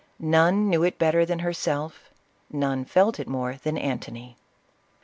None knew it better than herself, — none felt it moro than Antony.